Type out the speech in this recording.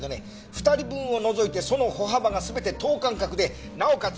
２人分を除いてその歩幅が全て等間隔でなおかつ